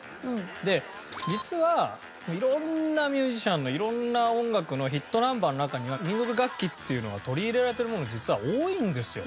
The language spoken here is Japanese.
で実は色んなミュージシャンの色んな音楽のヒットナンバーの中には民族楽器っていうのが取り入れられているものが実は多いんですよ。